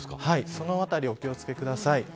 その辺り、お気を付けください。